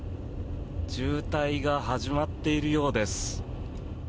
渋滞が始まっているようです。